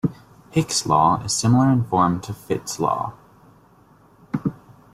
Hick's law is similar in form to Fitts's law.